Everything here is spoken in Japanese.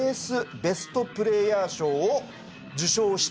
ベストプレイヤー賞を受賞した。